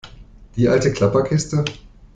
Die alte Klapperkiste?